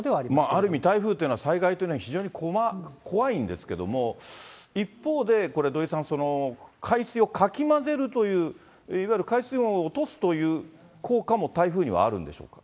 ある意味、台風というのは、災害というのは非常に怖いんですけども、一方で、土井さん、海水をかき混ぜるという、海水温を落とすという効果も台風にはあるんでしょうか。